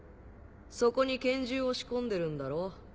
そこに拳銃を仕込んでるんだろ？